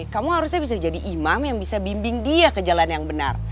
kamu harusnya bisa jadi imam yang bisa bimbing dia ke jalan yang benar